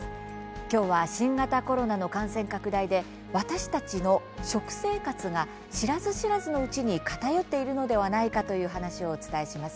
きょうは新型コロナの感染拡大で私たちの食生活が知らず知らずのうちに偏っているのではないかという話をお伝えします。